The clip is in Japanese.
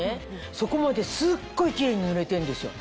そこまですっごいキレイに塗れてんですよ。